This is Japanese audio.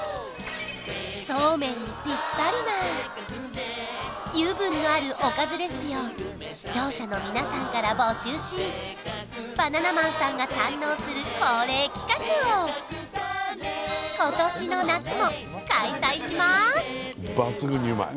そうめんにピッタリな油分のあるおかずレシピを視聴者の皆さんから募集しバナナマンさんが堪能する恒例企画を抜群にうまい！